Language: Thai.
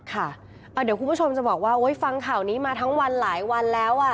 ค่ะเดี๋ยวคุณผู้ชมจะบอกว่าฟังข่าวนี้มาทั้งวันหลายวันแล้วอ่ะ